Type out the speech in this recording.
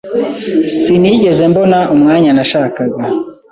Sinigeze mbona umwanya nashakaga.